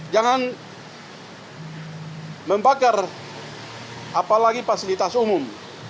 jangan membakar apalagi fasilitas umum